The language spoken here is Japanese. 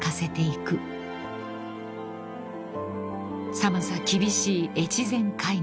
［寒さ厳しい越前海岸］